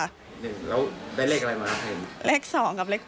แล้วได้เลขอะไรมาครับเธอนี่